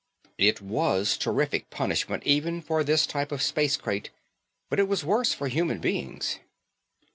It was terrific punishment even for this type of space crate but it was worse for human beings.